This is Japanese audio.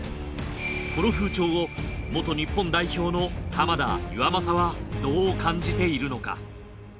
この風潮を元日本代表の玉田岩政はどう感じているのか？